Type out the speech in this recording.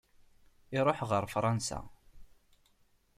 Iruḥ ɣer Fransa.